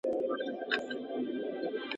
د استاد او شاګرد دود څه و؟